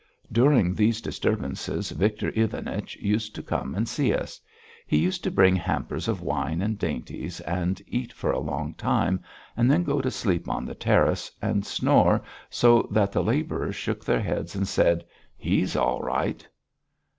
During these disturbances Victor Ivanich used to come and see us. He used to bring hampers of wine and dainties, and eat for a long time, and then go to sleep on the terrace and snore so that the labourers shook their heads and said: "He's all right!"